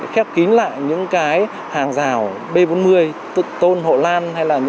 khép kín lại những cái hàng rào b bốn mươi tôn hộ lan